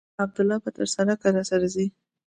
عبدالله به تر سړکه راسره ځي.